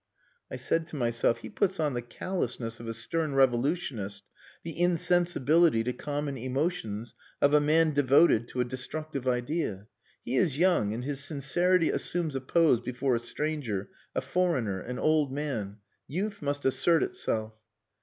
I said to myself: "He puts on the callousness of a stern revolutionist, the insensibility to common emotions of a man devoted to a destructive idea. He is young, and his sincerity assumes a pose before a stranger, a foreigner, an old man. Youth must assert itself...."